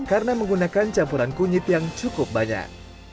karena menggunakan campuran kunyit yang cukup banyak